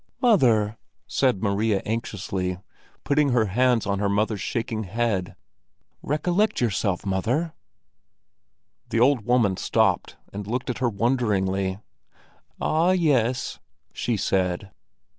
"Mother!" said Maria anxiously, putting her hands on her mother's shaking head. "Recollect yourself, mother!" The old woman stopped and looked at her wonderingly. "Ah, yes!" she said.